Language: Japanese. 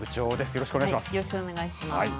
よろしくお願いします。